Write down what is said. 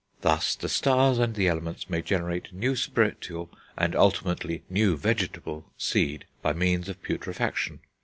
Thus the stars and the elements may generate new spiritual, and ultimately, new vegetable seed, by means of putrefaction....